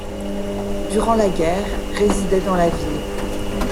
Durant la guerre, résidait dans la ville.